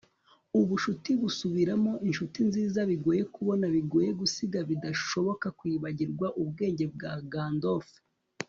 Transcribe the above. ubucuti busubiramo inshuti nziza bigoye kubona bigoye gusiga bidashoboka kwibagirwa ubwenge bwa gandolf